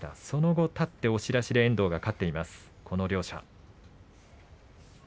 その後、立って押し出しで遠藤が勝っています。